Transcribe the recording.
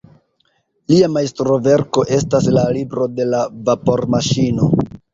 Lia majstroverko estas la "Libro de la Vapormaŝino".